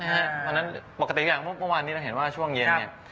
เพราะฉะนั้นปกติอย่างเมื่อวานนี้เราเห็นว่าช่วงเย็นเนี่ย